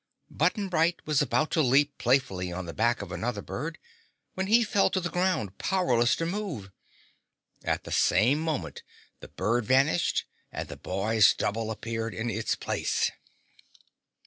Button Bright was about to leap playfully on the back of another bird when he fell to the ground powerless to move. At the same moment the bird vanished and the boy's double appeared in its place.